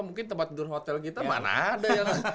mungkin tempat tidur hotel kita mana ada ya